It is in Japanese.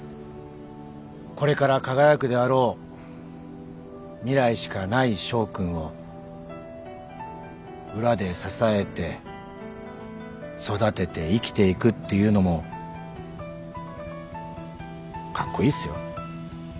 これから輝くであろう未来しかない翔君を裏で支えて育てて生きていくっていうのもカッコイイっすよ